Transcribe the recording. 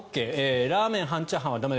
ラーメン、半チャーハンは駄目